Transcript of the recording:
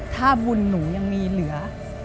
ถ้าบุญหนูยังมีเหลือ